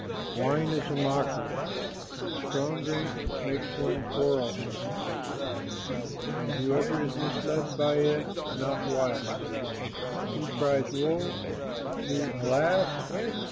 Wine is a mocker, strong drink makes one quarrelsome, And whoever is misled by it is not wise. Who cries, "Woe"? who, "Alas"?